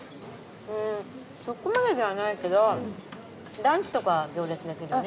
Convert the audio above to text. うんそこまでではないけどランチとかは行列出来るよね。